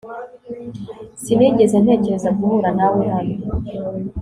Sinigeze ntekereza guhura nawe hano